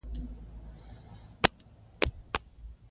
الله تعالی د دي حقدار او مستحق هم دی